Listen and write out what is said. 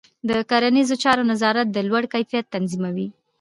د کرنيزو چارو نظارت د لوړ کیفیت تضمینوي.